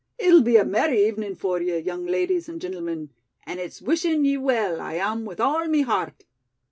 It'll be a merry evenin' for ye, young ladies and gintlemin, and it's wishin' ye well I am with all me heart."